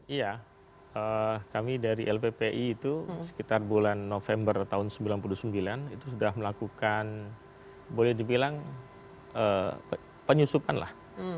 iya kami dari lppi itu sekitar bulan november tahun seribu sembilan ratus sembilan puluh sembilan itu sudah melakukan boleh dibilang penyusupan lah